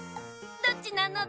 どっちなのだ？